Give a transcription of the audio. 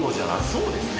そうですね。